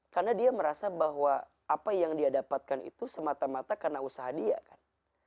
karena dia merasa bahwa apa yang dia dapatkan itu semata mata karena usaha dia kan